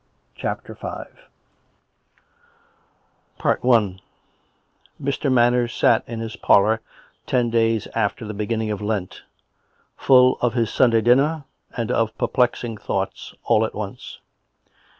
CHAPTER V Mr. Manners sat in his parlour ten days after the begin ning of Lent, full of his Sunday dinner and of perplexing thoughts all at once.